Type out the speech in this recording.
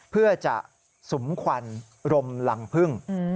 เพื่อจะสุมควันรมรังพึ่ง